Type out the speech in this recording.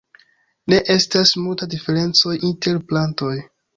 Ne estas multa diferencoj inter plantoj.